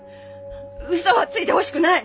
うそはついてほしくない！